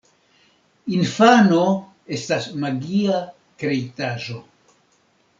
Infano estas magia kreitaĵo.